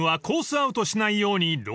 アウトしないようにローラー］